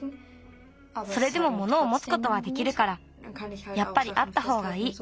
それでもものをもつことはできるからやっぱりあったほうがいい。